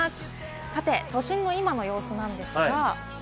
さて都心の今の様子なんですが。